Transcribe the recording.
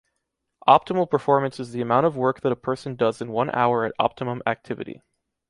Optimal performance is the amount of work that a person does in one hour at optimum activity.